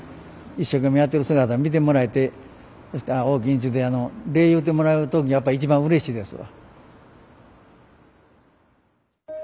一生懸命やってる姿を見てもらえてそして「おおきに」ちゅうて礼言うてもらう時がやっぱ一番うれしいですわ。